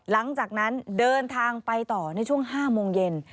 หลังจากนั้นเดินทางไปต่อในช่วง๕โมงเย็น